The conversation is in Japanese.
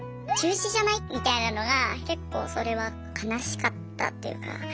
「中止じゃない？」みたいなのが結構それは悲しかったっていうか。